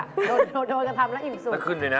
โดนก็ทำแล้วอิ่มสุกต้องขึ้นเลยนะ